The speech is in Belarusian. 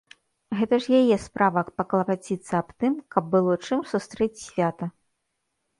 Гэта ж яе справа паклапаціцца аб тым, каб было чым сустрэць свята.